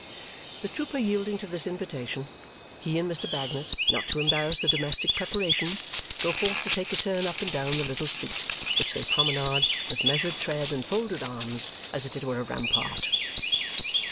The trooper yielding to this invitation, he and Mr. Bagnet, not to embarrass the domestic preparations, go forth to take a turn up and down the little street, which they promenade with measured tread and folded arms, as if it were a rampart.